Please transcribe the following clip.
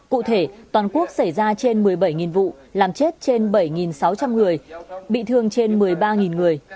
cụ thể toàn quốc xảy ra trên một mươi bảy vụ làm chết trên bảy sáu trăm linh người bị thương trên một mươi ba người